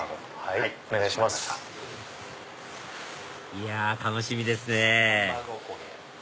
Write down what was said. いや楽しみですね